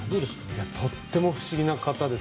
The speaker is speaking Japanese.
とっても不思議な方です